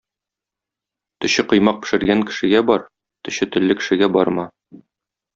Төче коймак пешергән кешегә бар, төче телле кешегә барма.